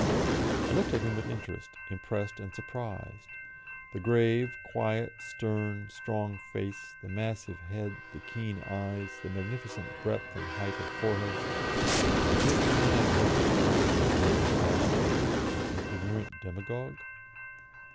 I looked at him with interest, impressed and surprised. The grave, quiet, stern, strong face, the massive head, the keen eyes, the magnificent breadth and height of forehead was this the man I had heard described as a blatant agitator, an ignorant demagogue?